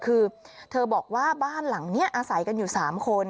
คือเธอบอกว่าบ้านหลังนี้อาศัยกันอยู่๓คน